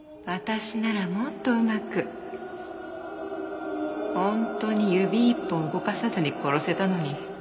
私ならもっとうまく本当に指一本動かさずに殺せたのに。